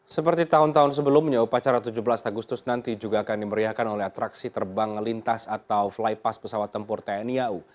seperti tahun tahun sebelumnya upacara tujuh belas agustus nanti juga akan dimeriahkan oleh atraksi terbang lintas atau flypass pesawat tempur tni au